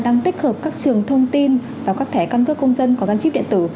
đang tích hợp các trường thông tin và các thẻ cân cấp công dân có gắn chip điện tử